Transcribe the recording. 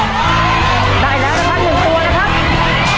ได้แล้วนะครับ๑ตัวนะครับ